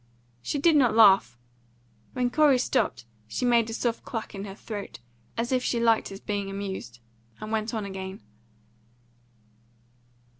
She did not laugh; when Corey stopped she made a soft cluck in her throat, as if she liked his being amused, and went on again.